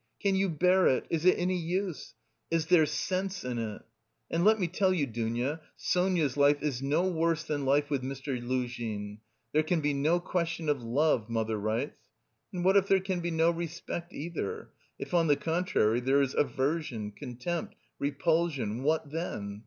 Can you bear it? Is it any use? Is there sense in it? And let me tell you, Dounia, Sonia's life is no worse than life with Mr. Luzhin. 'There can be no question of love,' mother writes. And what if there can be no respect either, if on the contrary there is aversion, contempt, repulsion, what then?